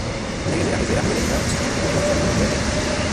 La guerrera puede llevar opcionalmente un forro de verde militar.